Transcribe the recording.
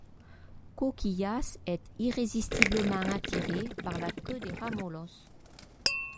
Kokiyas est irrésistiblement attiré par la queue des Ramoloss.